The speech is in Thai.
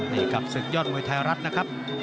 นี่กับศึกยอดมวยไทยรัฐนะครับ